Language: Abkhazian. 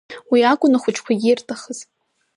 Уи акәын ахәыҷқәагьы ирҭахыз.